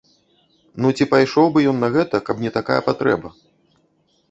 Ну, ці пайшоў бы ён на гэта, каб не такая патрэба?